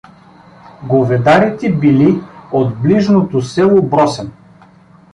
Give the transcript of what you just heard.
Говедарите били от ближното село Бросен.